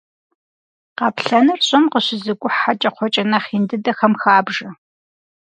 Къаплъэныр щӏым къыщызыкӏухь хьэкӏэкхъуэкӏэ нэхъ ин дыдэхэм хабжэ.